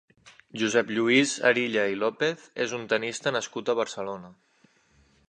Josep Lluís Arilla i López és un tennista nascut a Barcelona.